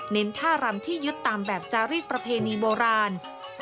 ท่ารำที่ยึดตามแบบจารีสประเพณีโบราณ